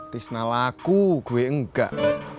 tisna laku gue enggak